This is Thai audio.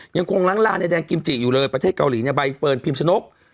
ยังคงล้างลาในแดงกิมจิอยู่เลยประเทศเกาหลีเนี่ยใบเฟิร์นพิมชนก